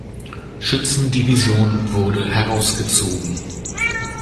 Schützendivision wurde herausgezogen.